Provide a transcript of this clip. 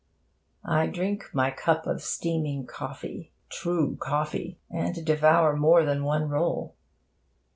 I drink my cup of steaming coffee true coffee! and devour more than one roll.